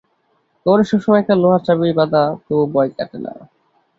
কোমরে সবসময় একটা লোহার চাবি বাঁধা, তবু ভয় কাটে না।